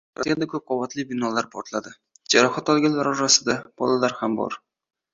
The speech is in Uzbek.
Rossiyada ko‘p qavatli bino portladi, jarohat olganlar orasida bolalar ham bor